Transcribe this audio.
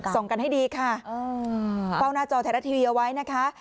ส่งกันให้ดีค่ะเออเปล่าหน้าจอแทรกทีวีเอาไว้นะคะ